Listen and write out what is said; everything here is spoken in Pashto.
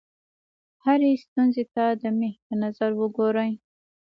هرې ستونزې ته د مېخ په نظر وګورئ.